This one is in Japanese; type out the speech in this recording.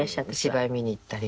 芝居見に行ったり。